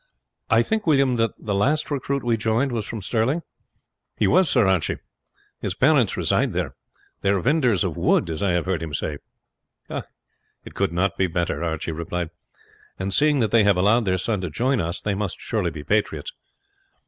I think, William, that the last recruit who joined was from Stirling?" "He was, Sir Archie. His parents reside there. They are vendors of wood, as I have heard him say." "It could not be better," Archie replied; "and seeing that they have allowed their son to join us, they must surely be patriots.